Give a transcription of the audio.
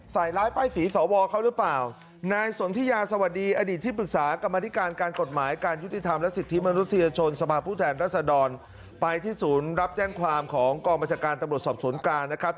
ร้ายป้ายสีสวเขาหรือเปล่านายสนทิยาสวัสดีอดีตที่ปรึกษากรรมธิการการกฎหมายการยุติธรรมและสิทธิมนุษยชนสภาพผู้แทนรัศดรไปที่ศูนย์รับแจ้งความของกองบัญชาการตำรวจสอบสวนกลางนะครับ